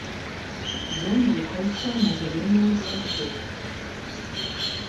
Ён рухаўся на зялёнае святло.